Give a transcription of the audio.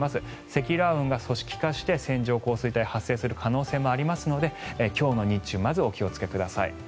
積乱雲が線上化して線状降水帯が発生する可能性もありますので今日の日中まずお気をつけください。